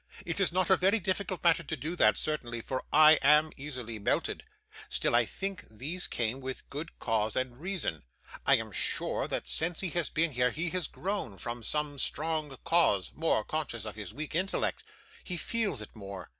It is not a very difficult matter to do that, certainly, for I am easily melted; still I think these came with good cause and reason. I am sure that since he has been here, he has grown, from some strong cause, more conscious of his weak intellect. He feels it more.